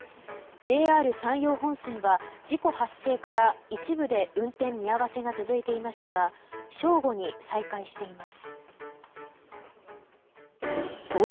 ＪＲ山陽本線は事故発生から一部で運転見合わせが続いていましたが正午に再開しています。